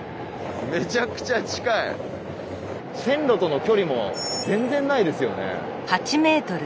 線路との距離も全然ないですよね。